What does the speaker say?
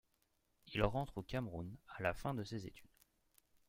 Il rentre au Cameroun à la fin de ses études.